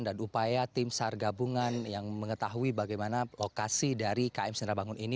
dan upaya tim sar gabungan yang mengetahui bagaimana lokasi dari km senerabangun ini